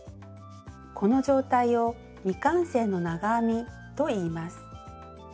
この状態を「未完成の長編み」といいます。